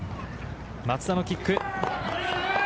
松田のキック。